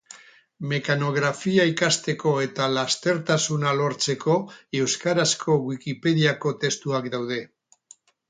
Mekanografia ikasteko eta lastertasuna lortzeko euskarazko Wikipediako testuak daude.